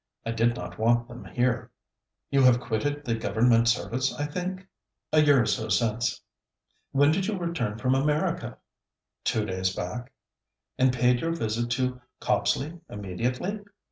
I did not want them here. You have quitted the Government service, I think?' 'A year or so since.' 'When did you return from America?' 'Two days back.' 'And paid your visit to Copsley immediately?'